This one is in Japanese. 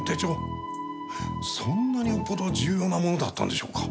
そんなによっぽど重要なものだったんでしょうか？